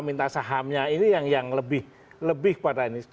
minta sahamnya ini yang lebih pada ini